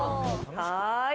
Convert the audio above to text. はい！